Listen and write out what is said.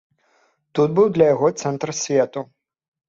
Тут быў для яго цэнтр свету.